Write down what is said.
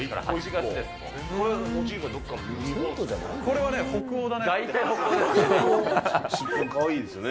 これはね、北欧だね。